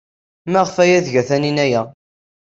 Maɣef ay tga Taninna aya?